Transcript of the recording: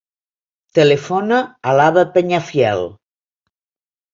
Telefona a l'Abba Peñafiel.